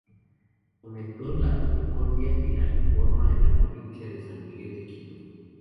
Fomentó la concordia y la reforma en la provincia de San Miguel de Quito.